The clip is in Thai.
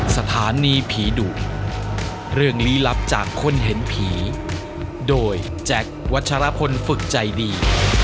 สถานีผีดุเรื่องลี้ลับจากคนเห็นผีโดยแจ็ควัชรพลฝึกใจดี